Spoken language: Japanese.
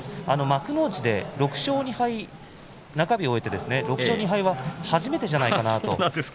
幕内で６勝２敗、中日を終えて６勝２敗というのは初めてではないかと。